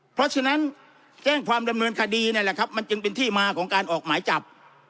เพราะฉะนั้นแจ้งความดำเนินคดีนี่แหละครับมันจึงเป็นที่มาของการออกหมายจับ